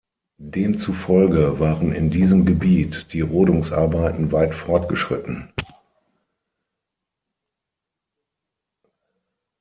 Demzufolge waren in diesem Gebiet die Rodungsarbeiten weit fortgeschritten.